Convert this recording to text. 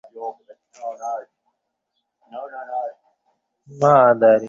এখানে তরুণেরা স্কুল থেকে বিশ্ববিদ্যালয় পর্যন্ত সর্বত্র শুধু সনদ নিয়ে বের হচ্ছে।